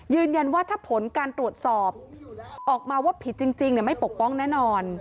ยืนยันว่าถ้าผลการตรวจสอบออกมาว่าผิดจริงไม่ปกป้องแน่นอน